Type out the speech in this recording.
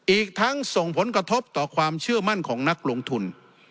อีกทั้งส่งผลกระทบต่อความเชื่อมั่นของนักลงทุน